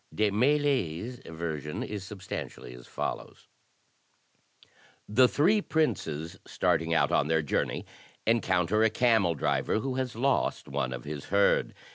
De Mailly's version is substantially as follows: The three princes, starting out on their journey, encounter a camel driver, who has lost one of his herd.